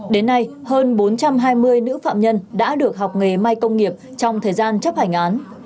đến nay hơn bốn trăm hai mươi nữ phạm nhân đã được học nghề may công nghiệp trong thời gian chấp hành án